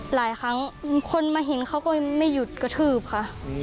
หลายครั้งคนมาเห็นเขาก็ไม่หยุดกระทืบค่ะ